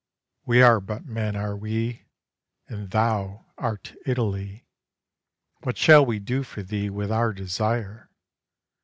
We are but men, are we, And thou art Italy; What shall we do for thee with our desire?